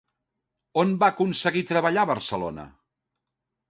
On va aconseguir treballar a Barcelona?